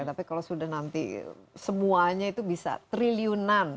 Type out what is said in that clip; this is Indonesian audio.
tapi kalau sudah nanti semuanya itu bisa triliunan